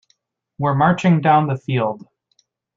We're marching down the field.